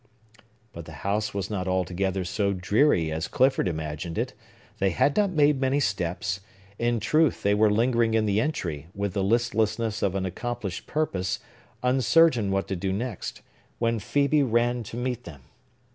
But the house was not altogether so dreary as Clifford imagined it. They had not made many steps,—in truth, they were lingering in the entry, with the listlessness of an accomplished purpose, uncertain what to do next,—when Phœbe ran to meet them.